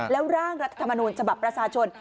แล้วร่างรัฐธรรมนูญฉบับประชาชน